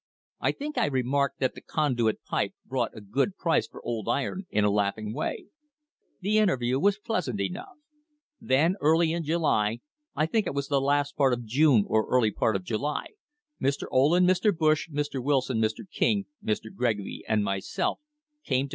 I think I remarked tha, the Condui, Pipe brought a good pnce for old a laughing way. The interview was pleasant enough. Then early m July i'nk i wa ,heL p'ar, of June or early part of July Mr Oh, en, Mr. Bush, Mr Wilson, Mr. King, M, Gregory, and myself came ,o Ph.